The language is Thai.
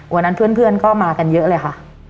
วันนั้นเพื่อนก็มากันเยอะเลยค่ะ